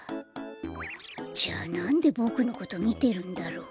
じゃあなんでボクのことみてるんだろう？